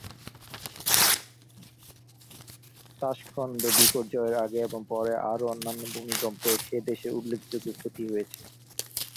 তাশখন্দ বিপর্যয়ের আগে এবং পরে আরও অন্যান্য ভূমিকম্পে সে দেশের উল্লেখযোগ্য ক্ষতি হয়েছে।